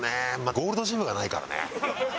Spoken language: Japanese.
ゴールドジムがないからね。